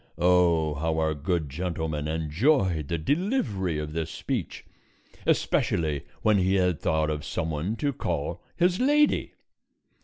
Oh, how our good gentleman enjoyed the delivery of this speech, especially when he had thought of some one to call his Lady!